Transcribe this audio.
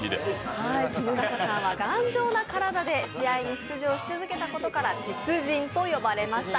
衣笠さんは、頑丈な体で試合に出場し続けたことから鉄人と呼ばれました。